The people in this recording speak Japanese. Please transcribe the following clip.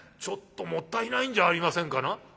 ちょっともったいないんじゃありませんかな」。